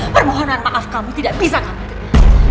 permohonan maaf kamu tidak bisa tante